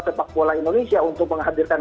sepak bola indonesia untuk menghadirkan